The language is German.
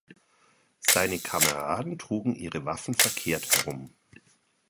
Seine Kameraden trugen ihre Waffen verkehrt herum.